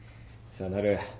さあなる。